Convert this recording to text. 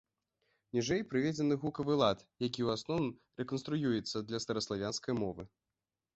Ніжэй прыведзены гукавы лад, які ў асноўным рэканструюецца для стараславянскай мовы.